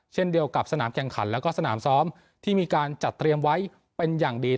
เช่นเดียวกับสนามแข่งขันแล้วก็สนามซ้อมที่มีการจัดเตรียมไว้เป็นอย่างดี